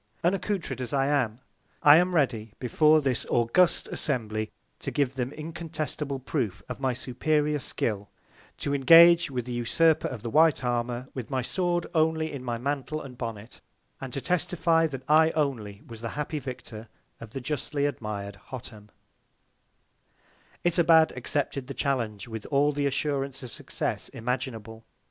Unaccoutred as I am, I am ready, before this august Assembly, to give them incontestable Proof of my superior Skill; to engage with the Usurper of the White Armour with my Sword only in my Mantle and Bonnet; and to testify that I only was the happy Victor of the justly admired Hottam. Itobad accepted of the Challenge with all the Assurance of Success imaginable.